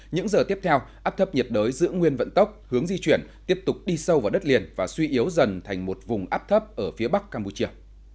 những giờ tiếp theo áp thấp nhiệt đới giữ nguyên vận tốc hướng di chuyển tiếp tục đi sâu vào đất liền và suy yếu dần thành một vùng áp thấp ở phía bắc campuchia